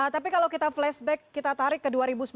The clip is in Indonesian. tapi kalau kita flashback kita tarik ke dua ribu sembilan belas